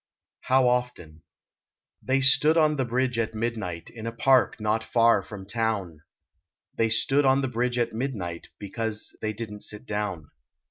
HOW OFTEN They stood on the bridge at midnight, In a park not far from town ; They stood on the bridge at midnight Because they didn t sit down.